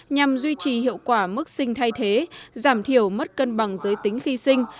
nhằm duy trì hiệu quả mức sinh thay thế giảm thiểu mất cân bằng giới tính khi sinh